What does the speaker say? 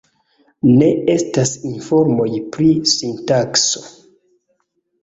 Ne estas informoj pri sintakso.